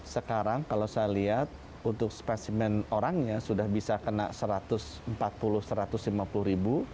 sekarang kalau saya lihat untuk spesimen orangnya sudah bisa kena satu ratus empat puluh satu ratus lima puluh ribu